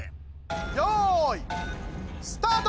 よいスタート！